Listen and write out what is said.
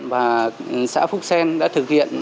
và xã phúc xen đã thực hiện